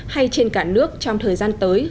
hay trên cả nước trong thời gian tới